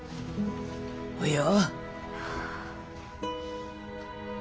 およ。